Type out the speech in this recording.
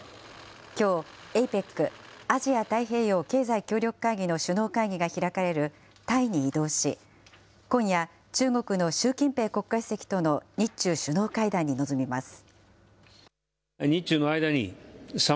きょう、ＡＰＥＣ・アジア太平洋経済協力会議の首脳会議が開かれるタイに移動し、今夜、中国の習近平国家主席との日中首脳会談に臨みます。